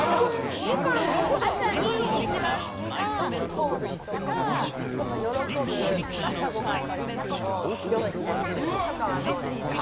朝に一番好きな好物とか、喜ぶ朝ごはんの一品を用意してあげるとかどうですか？